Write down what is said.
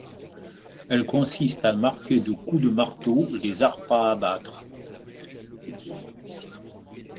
Elle consiste à marquer de coups de marteau les arbres à abattre.